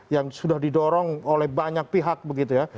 yang sudah didorong oleh banyak pihak begitu ya